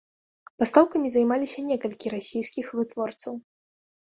Пастаўкамі займаліся некалькі расійскіх вытворцаў.